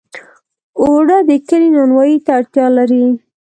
اوړه د کلي نانوایۍ ته اړتیا لري